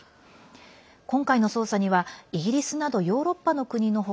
今回の捜査にはイギリスなどヨーロッパの国の他